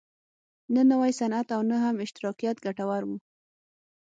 نه نوی صنعت او نه هم اشتراکیت ګټور و.